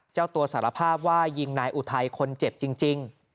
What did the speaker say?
เจ้าตัวสารภาพว่ายิงนายอุทัยคนเจ็บจริง